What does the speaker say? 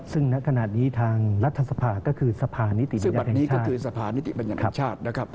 ซึ่งในขณะนี้ทางรัฐสภาก็คือสภานิติปัญญาแห่งชาติ